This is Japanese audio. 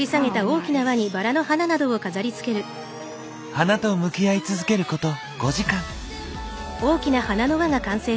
花と向き合い続けること５時間。